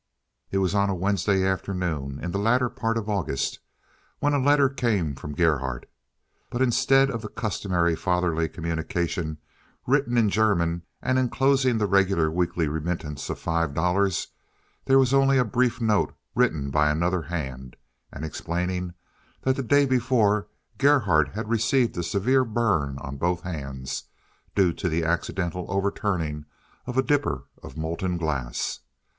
It was on a Wednesday afternoon, in the latter part of August, when a letter came from Gerhardt. But instead of the customary fatherly communication, written in German and inclosing the regular weekly remittance of five dollars, there was only a brief note, written by another hand, and explaining that the day before Gerhardt had received a severe burn on both hands, due to the accidental overturning of a dipper of molten glass.